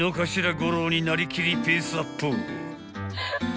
五郎になりきりペースアップ］